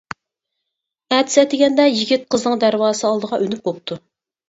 ئەتىسى ئەتىگەندە يىگىت قىزنىڭ دەرۋازىسى ئالدىغا ئۈنۈپ بوپتۇ.